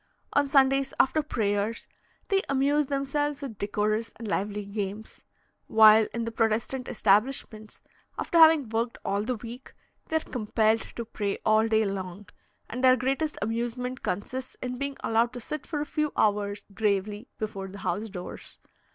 On Sundays, after prayers, they amuse themselves with decorous and lively games; while in the Protestant establishments, after having worked all the week, they are compelled to pray all day long, and their greatest amusement consists in being allowed to sit for a few hours gravely before the house doors.